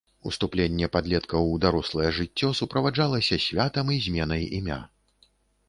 Уступленне падлеткаў у дарослае жыццё суправаджалася святам і зменай імя.